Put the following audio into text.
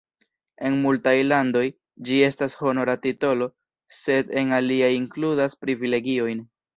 En multaj landoj, ĝi estas honora titolo, sed en aliaj inkludas privilegiojn.